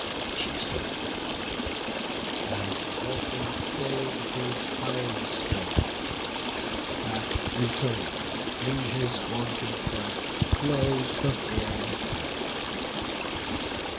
She said, and Vulcan stay'd his fiery strength, And, back returning, in his wonted bed Flow'd the fair River.